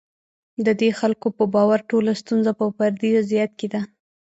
د دې خلکو په باور ټوله ستونزه په فردي وضعیت کې ده.